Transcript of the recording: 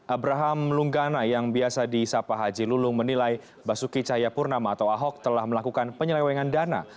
abraham lunggana yang biasa di sapa haji lulung menilai basuki cahayapurnama atau ahok telah melakukan penyelewengan dana